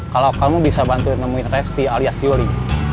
kalau kamu bisa bantu nemuin resti alias yuli